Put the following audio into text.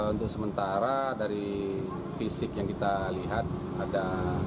untuk sementara dari fisik yang kita lihat ada